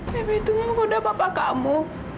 bibi itu menggoda papa kamu